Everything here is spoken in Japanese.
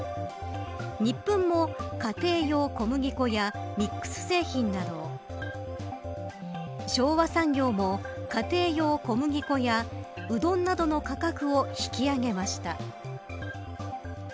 ニップンも家庭用小麦粉やミックス製品など昭和産業も、家庭用小麦粉やうどんなどの価格を引き上げました。